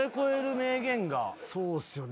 そうっすよね。